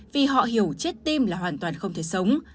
vì họ hiểu chết tim là hoàn toàn không thể sống